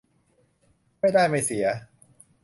ไม่ได้ไม่เสีย